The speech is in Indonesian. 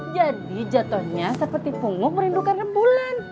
jadi jatohnya seperti punggung merindukan nebulan